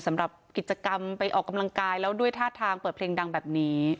สำหรับกิจกรรมไปออกกำลังกายแล้วด้วยท่าทางเปิดเพลงดังแบบนี้